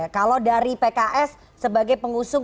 kalau dari pks sebagai pengusung